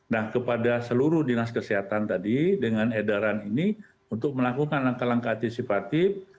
nah kepada seluruh dinas kesehatan tadi dengan edaran ini untuk melakukan langkah langkah antisipatif